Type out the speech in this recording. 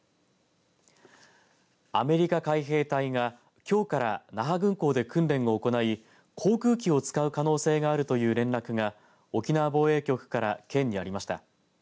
アメリカ海兵隊がきょうから那覇軍港で訓練を行い航空機を使う可能性があるという連絡が沖縄防衛局から県にありました。